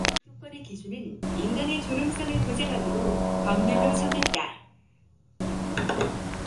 근로조건의 기준은 인간의 존엄성을 보장하도록 법률로 정한다.